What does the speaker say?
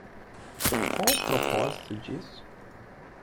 Qual o propósito disso?